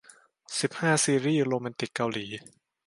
สิบห้า ซีรีส์โรแมนติกเกาหลี